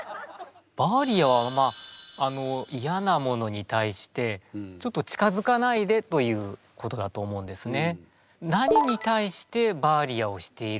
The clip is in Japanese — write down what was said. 「バーリア」はまあイヤなものに対してちょっと近づかないでということだと思うんですね。